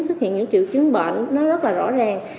xuất hiện những triệu chứng bệnh nó rất là rõ ràng